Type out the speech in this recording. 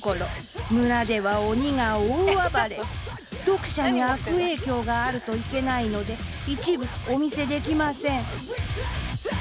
読者に悪影響があるといけないので一部お見せできません。